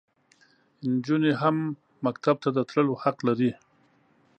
انجونې هم مکتب ته د تللو حق لري.